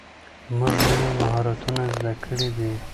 موږ نوي مهارتونه زده کړي دي.